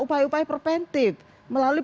upaya upaya preventif melalui